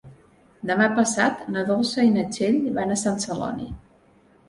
Demà passat na Dolça i na Txell van a Sant Celoni.